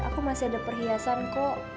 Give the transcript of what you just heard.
aku masih ada perhiasan kok